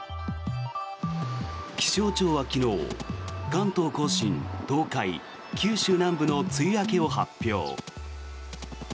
気象庁は昨日関東・甲信、東海、九州南部の梅雨明けを発表。